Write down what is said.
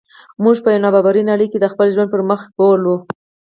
موږ په یوه نا برابره نړۍ کې د خپل ژوند پرمخ بوولو.